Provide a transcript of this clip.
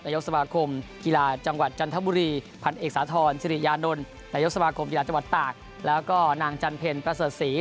ยกสมาคมกีฬาจังหวัดจันทบุรีพันเอกสาธรสิริยานนท์นายกสมาคมกีฬาจังหวัดตากแล้วก็นางจันเพ็ญประเสริฐศรี